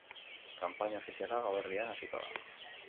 Kanpaina ofiziala gauerdian hasiko da.